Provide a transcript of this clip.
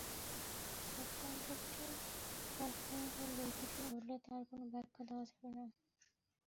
Subcontracting কারখানায় কোনো দুর্ঘটনা ঘটলে তার কোনো ব্যাখ্যা দেওয়া যাবে না।